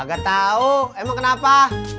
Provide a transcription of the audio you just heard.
gak tau emang kenapa